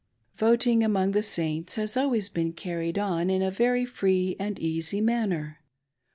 Voting among the Saints has always been carried on in a very free and easy manner.